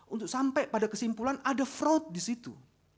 untuk sampai pada kesimpulan ada fraud di situ